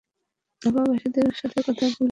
আবহাওয়াবীদের সাথে কথা না বললেই নয়!